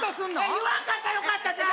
言わんかったらよかったじゃあ！